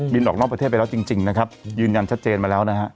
ออกนอกประเทศไปแล้วจริงนะครับยืนยันชัดเจนมาแล้วนะฮะ